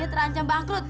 dia terancam bangkrut